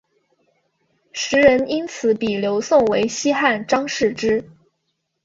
时人因此比刘颂为西汉张释之。